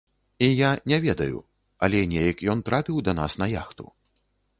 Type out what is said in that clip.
І я не ведаю, але неяк ён трапіў да нас на яхту.